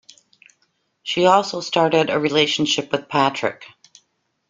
She also started a relationship with Patrick.